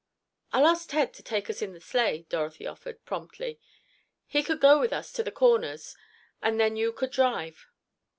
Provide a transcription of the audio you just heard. "I'll ask Ted to let us take his sleigh," Dorothy offered, promptly. "He could go with us to the Corners, and then you could drive."